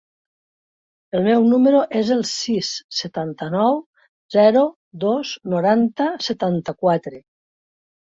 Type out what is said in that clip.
El meu número es el sis, setanta-nou, zero, dos, noranta, setanta-quatre.